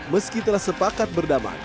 meski telah sepakat berdamai